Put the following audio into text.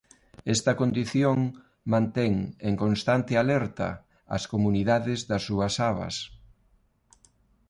Esta condición mantén en constante alerta as comunidades das súas abas.